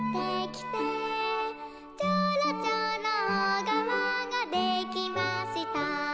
「ちょろちょろおがわができました」